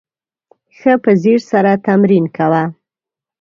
ښه په ځیر سره تمرین کوه !